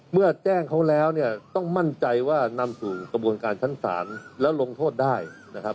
เมื่อแจ้งเขาแล้วเนี่ยต้องมั่นใจว่านำสู่กระบวนการชั้นศาลแล้วลงโทษได้นะครับ